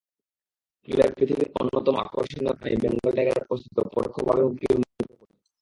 ফলে পৃথিবীর অন্যতম আকর্ষণীয় প্রাণী বেঙ্গল টাইগারের অস্তিত্ব পরোক্ষভাবে হুমকির মুখে পড়ছে।